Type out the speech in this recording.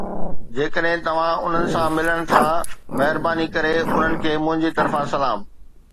جيڪڏهن توهان انهن سان ملن ٿا، مهرباني ڪري انهن کي منهنجي طرفان سلام.